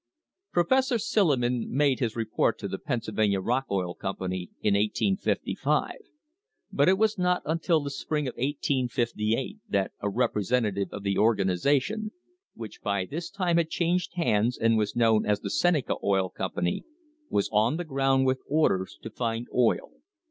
Professor Silliman made his report to the Pennsylvania Rock Oil Company in 1855, but it was not until the spring of 1858 that a representative of the organisation, which by this time had changed hands and was known as the Seneca Oil Company, was on the ground with orders to find oil.